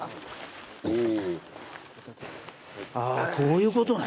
あぁこういうことね。